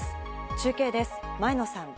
中継です、前野さん。